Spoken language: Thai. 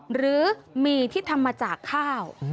หมี่ที่ทำมาจากข้าว